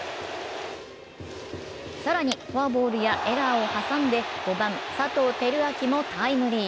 更にフォアボールやエラーを挟んで５番・佐藤輝明もタイムリー。